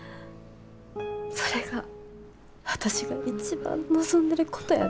それが私が一番望んでることやで。